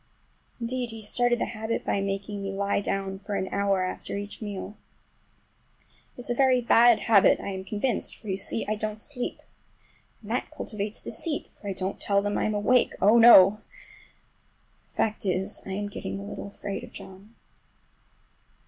Indeed, he started the habit by making me lie down for an hour after each meal. It is a very bad habit, I am convinced, for, you see, I don't sleep. And that cultivates deceit, for I don't tell them I'm awake,—oh, no! The fact is, I am getting a little afraid of John.